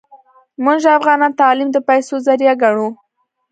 موږ افغانان تعلیم د پیسو ذریعه ګڼو